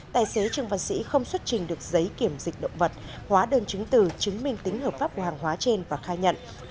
tài xế trương văn sĩ không xuất trình được giấy kiểm dịch động vật hóa đơn chứng từ chứng minh tính hợp pháp của hàng hóa trên và khai nhận